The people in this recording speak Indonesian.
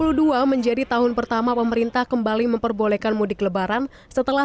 hai dua ribu dua puluh dua menjadi tahun pertama pemerintah kembali memperbolehkan mudik lebaran setelah